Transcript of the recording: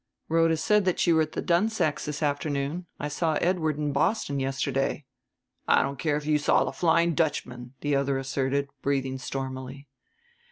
"Rhoda said that you were at the Dunsacks' this afternoon; I saw Edward in Boston yesterday." "I don't care if you saw the Flying Dutchman," the other asserted, breathing stormily.